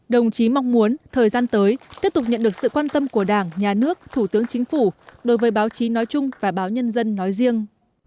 đồng chí mong muốn thời gian tới tiếp tục nhận được sự quan tâm của đảng nhà nước thủ tướng chính phủ đối với báo chí nói chung và báo nhân dân nói riêng